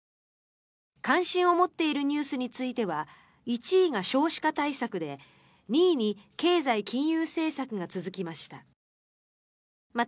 関心を持っているニュースについては１位が少子化対策で２位に経済・金融政策が続きました。